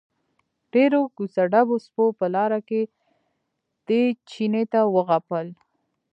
ډېرو کوڅه ډبو سپو په لاره کې دې چیني ته وغپل.